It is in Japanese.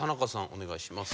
お願いします。